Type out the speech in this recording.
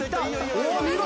おお見事！